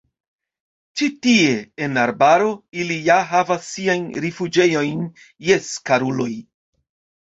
Ĉi tie, en arbaro, ili ja havas siajn rifuĝejojn, jes, karuloj.